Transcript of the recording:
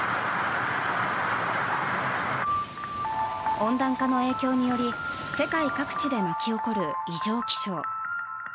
温暖化の影響により世界各地で巻き起こる異常気象。